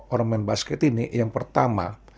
orang main basket ini yang pertama